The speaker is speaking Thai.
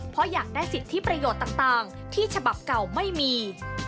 เพราะอยากได้สิทธิประโยชน์ต่างที่ฉบับเก่าไม่มี